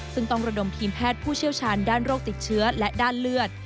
ซึ่งต้องระดมทีมแพทย์ผู้เชี่ยวชาญด้านโรคติดเชื้อและด้านเลือด